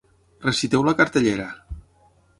Reciteu la cartellera.